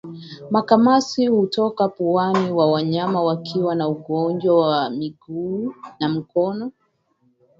Makamasi hutoka puani wanyama wakiwa na ugonjwa wa miguu na midomo